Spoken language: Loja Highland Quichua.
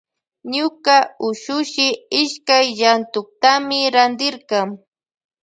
Ñuka ushuhi iskay llantuktami rantirka.